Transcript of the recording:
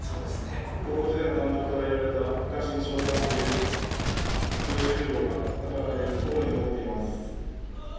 高校時代の監督から言われた臥薪嘗胆という四字熟語が心に残っています。